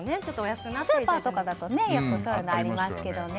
スーパーとかだとそういうのありますけどね。